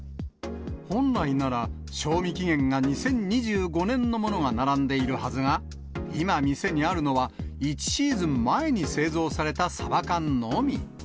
本来なら、賞味期限が２０２５年のものが並んでいるはずが、今店にあるのは、１シーズン前に製造されたサバ缶のみ。